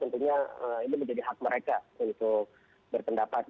tentunya ini menjadi hak mereka untuk berpendapat